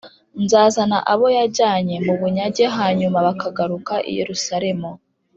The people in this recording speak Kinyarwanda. Nzazana abo yajyanye mu bunyage hanyuma bakagaruka i Yerusalemu